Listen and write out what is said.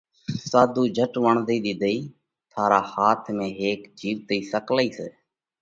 ساڌُو جھٽ وۯڻڌئِي ۮِيڌئِي: ٿارا هاٿ ۾ هيڪ جِيوَتئِي سڪلئِي سئہ،